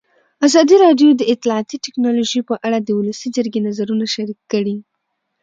ازادي راډیو د اطلاعاتی تکنالوژي په اړه د ولسي جرګې نظرونه شریک کړي.